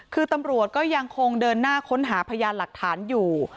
คือตำรวจก็ยังคงเดินหน้าค้นหาพยานหลักฐานอยู่